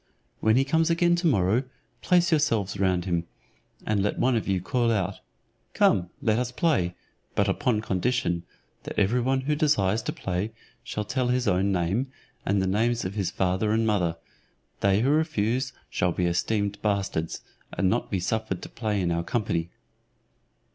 When he comes again to morrow, place yourselves round him, and let one of you call out, "Come, let us play, but upon condition, that every one who desires to play shall tell his own name, and the names of his father and mother; they who refuse shall be esteemed bastards, and not be suffered to play in our company."